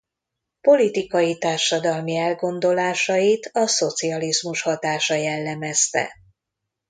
Politikai-társadalmi elgondolásait a szocializmus hatása jellemezte.